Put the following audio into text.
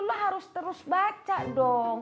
lo harus terus baca dong